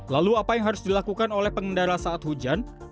lalu apa yang harus dilakukan oleh pengendara saat hujan